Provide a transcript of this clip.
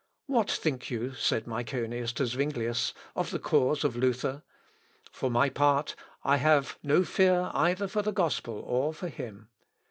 "What think you," said Myconius to Zuinglius, "of the cause of Luther? For my part I have no fear either for the gospel or for him.